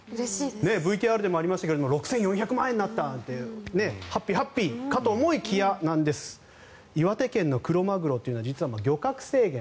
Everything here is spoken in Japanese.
ＶＴＲでもありましたが６４００万円になったってハッピー、ハッピーかと思いきや岩手県のクロマグロは実は漁獲制限